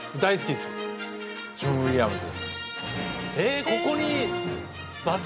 ジョン・ウィリアムズ。え！